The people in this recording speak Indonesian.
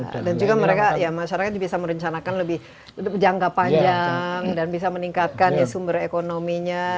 dan juga masyarakat bisa merencanakan lebih jangka panjang dan bisa meningkatkan sumber ekonominya